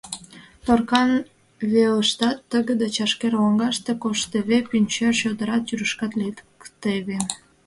Торкан велыштат, тыгыде чашкер лоҥгаште, коштеве, Пӱнчер чодыра тӱрышкат лектеве.